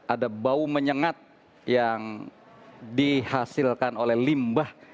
ada bau menyengat yang dihasilkan oleh lima orang